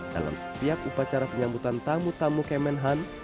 dalam setiap upacara penyambutan tamu tamu kemenhan